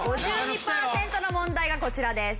５２パーセントの問題がこちらです。